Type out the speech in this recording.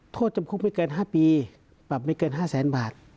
โทษจำคุกไม่เกิน๕ปีปรับไม่เกิน๕แสนบาท